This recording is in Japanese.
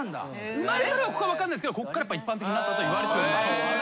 生まれたのはここか分かんないですけどこっから一般的になったといわれてます。